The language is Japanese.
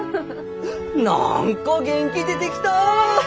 何か元気出てきた！